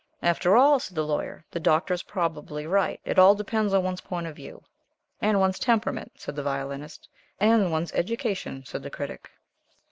'" "After all," said the Lawyer, "the Doctor is probably right. It all depends on one's point of view." "And one's temperament," said the Violinist. "And one's education," said the Critic.